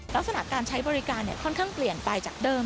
ลักษณะการใช้บริการค่อนข้างเปลี่ยนไปจากเดิม